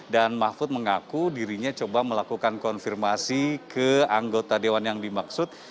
mahfud mengaku dirinya coba melakukan konfirmasi ke anggota dewan yang dimaksud